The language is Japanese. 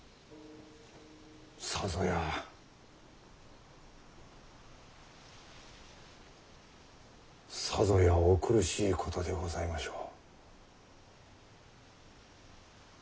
さぞやさぞやお苦しいことでございましょう。